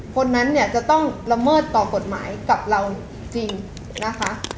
คนนั้นเนี่ยจะต้องละเมิดต่อกฎหมายกับเราจริงนะคะ